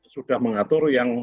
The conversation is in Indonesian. sudah mengatur yang